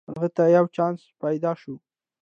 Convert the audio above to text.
هغه ته یو چانس پیداشو